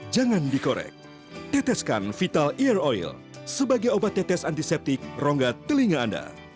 jangan dikorek teteskan vital ear oil sebagai obat tetes antiseptik rongga telinga anda